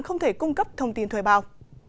không thể cung cấp thông tin thuê bào